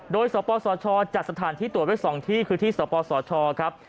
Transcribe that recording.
โดยสปสชจัดสถานที่ตรวจไว้๒ที่คือที่สปสชครับ